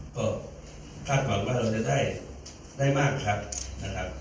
ก็คาดหวังว่าเราจะได้มากครับนะครับ